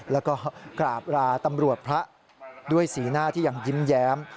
แล้วก็กราบราตำรวจพระด้วยสีหน้าที่ยังยิ้มแย้ม